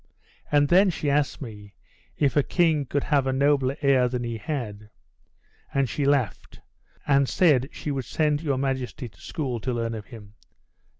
And then she asked me, if a king could have a nobler air than he had; and she laughed, and said she would send your majesty to school to learn of him."